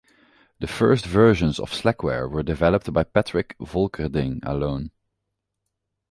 The first versions of Slackware were developed by Patrick Volkerding alone.